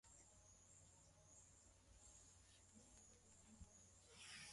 Niko na kazi ya kuchimba shimo ya meta mbili na nusu